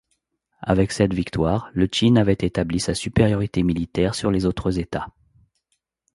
Avec cette victoire, le Qin avait établi sa supériorité militaire sur les autres États.